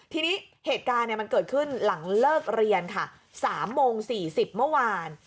ทีนี้เหตุการณ์มันเกิดขึ้นหลังเลิกเรียนค่ะ๓โมง๔๐เมื่อวาน